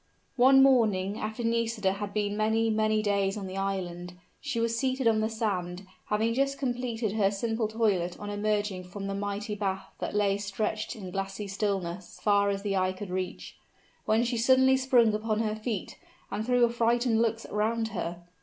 One morning after Nisida had been many, many days on the island, she was seated on the sand, having just completed her simple toilet on emerging from the mighty bath that lay stretched in glassy stillness far as the eye could reach, when she suddenly sprung upon her feet, and threw affrighted looks around her.